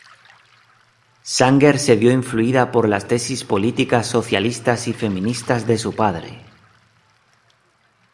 Sanger se vio influida por las tesis políticas socialistas y feministas de su padre.